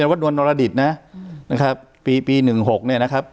วัดดวนนรดิษฐ์นะนะครับปีปีหนึ่งหกเนี่ยนะครับ